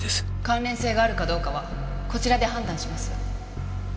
関連性があるかどうかはこちらで判断します。